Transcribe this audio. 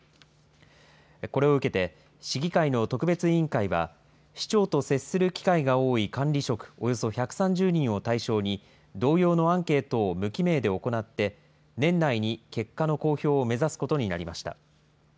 これを受けて、市議会の特別委員会は、市長と接する機会が多い管理職およそ１３０人を対象に、同様のアンケートを無記名で行って、年内に結果の公表を目指すことになりました。